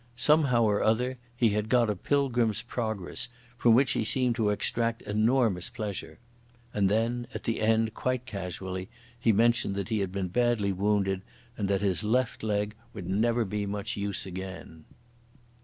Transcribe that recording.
Somehow or other he had got a Pilgrim's Progress, from which he seemed to extract enormous pleasure. And then at the end, quite casually, he mentioned that he had been badly wounded and that his left leg would never be much use again.